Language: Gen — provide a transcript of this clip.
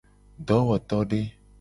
Dowotode.